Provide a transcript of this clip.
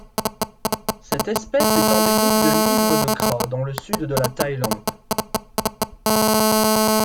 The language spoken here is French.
Cette espèce est endémique de l'isthme de Kra dans le sud de la Thaïlande.